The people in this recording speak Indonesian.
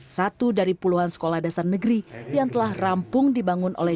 satu dari puluhan sekolah dasar negeri yang telah rampung dibangun oleh